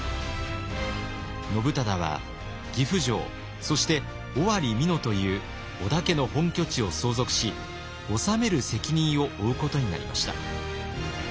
信忠は岐阜城そして尾張・美濃という織田家の本拠地を相続し治める責任を負うことになりました。